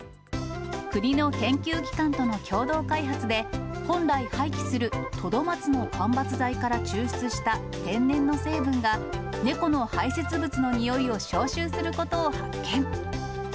国の研究機関との共同開発で、本来廃棄するトドマツの間伐材から抽出した天然の成分が、猫の排せつ物のにおいを消臭することを発見。